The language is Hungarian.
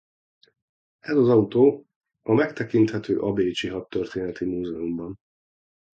Ez az autó a megtekinthető a bécsi Hadtörténeti Múzeumban.